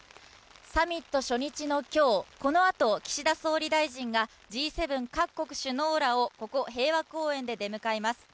サミット初日の今日、このあと岸田総理大臣がＧ７各国首脳らをここ平和公園で出迎えます。